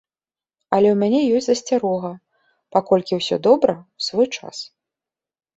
Але ў мяне ёсць засцярога, паколькі ўсё добра ў свой час.